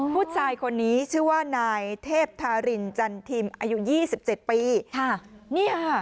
ผู้ชายคนนี้ชื่อว่านายเทพธารินจันทิมอายุยี่สิบเจ็ดปีค่ะนี่ค่ะ